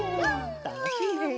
たのしいね。